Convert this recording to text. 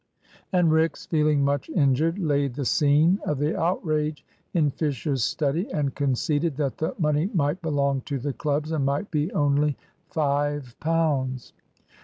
And Rix, feeling much injured, laid the scene of the outrage in Fisher's study, and conceded that the money might belong to the clubs, and might be only five pounds.